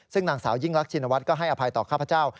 ซึ่งนางสาวยิ่งรักชินวัฒน์ก็ให้อภัยต่อข้าพเจ้า